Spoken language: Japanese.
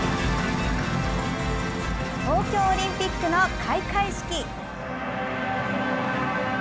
東京オリンピックの開会式！